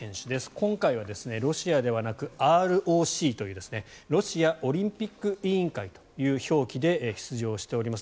今回はロシアではなくＲＯＣというロシアオリンピック委員会という表記で出場しております。